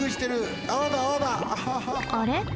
あれ？